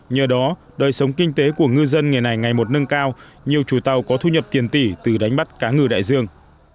nhờ đó đời sống kinh tế của ngư dân ngày này ngày một nâng cao nhiều chủ tàu có thu nhập tiền tỷ từ đánh bắt cá ngừ đại dương